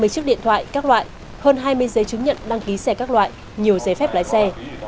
một mươi chiếc điện thoại các loại hơn hai mươi giấy chứng nhận đăng ký xe các loại nhiều giấy phép lái xe